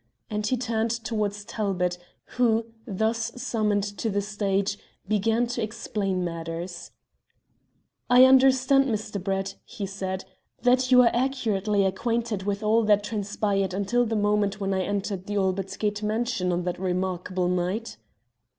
And he turned towards Talbot, who, thus summoned to the stage, began to explain matters. "I understand, Mr. Brett," he said, "that you are accurately acquainted with all that transpired until the moment when I entered the Albert Gate mansion on that remarkable night?"